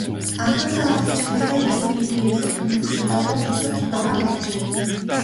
Анхандаа аз жаргалтай байсан энэ гэрлэлт мөн л залуу хосод дараа болжээ.